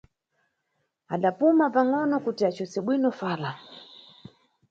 Adapuma pangʼono kuti acose bwino fala.